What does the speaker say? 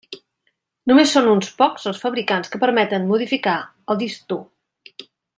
Només són uns pocs els fabricants que permeten modificar el disc dur.